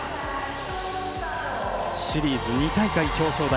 シリーズ２大会表彰台